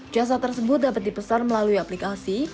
jasa tersebut dapat dipesan melalui aplikasi